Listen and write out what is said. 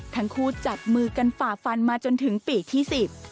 ทั้งคู่จับมือกันฝ่าฟันมาจนถึงปีที่สิบ